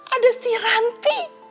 ada si ranti